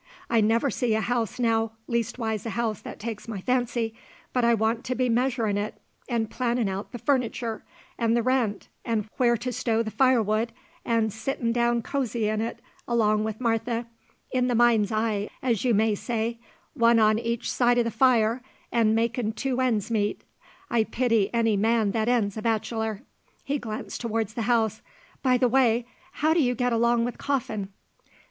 I never see a house, now leastways, a house that takes my fancy but I want to be measuring it an' planning out the furnicher, an' the rent, an' where to stow the firewood, an' sitting down cosy in it along with Martha in the mind's eyes, as you may say one on each side o' the fire, an' making two ends meet. I pity any man that ends a bachelor." He glanced towards the house. "By the way, how do you get along with Coffin?"